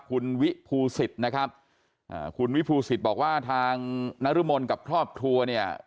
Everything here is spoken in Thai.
คุณวิภูศิษฐ์นะครับคุณวิภูศิษฐ์บอกว่าทางนรมนต์กับทอบทัวร์เนี่ย